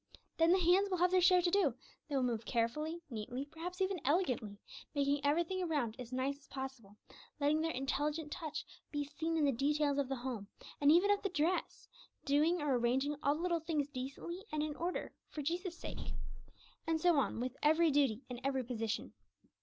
Then the hands will have their share to do; they will move carefully, neatly, perhaps even elegantly, making every thing around as nice as possible, letting their intelligent touch be seen in the details of the home, and even of the dress, doing or arranging all the little things decently and in order for Jesus' sake. And so on with every duty in every position.